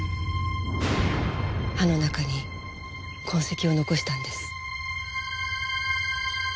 歯の中に痕跡を残したんです。